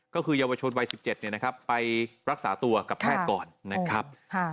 ก็คือเยาวชนวัย๑๗ไปรักษาตัวกับแพทย์ก่อนนะครับ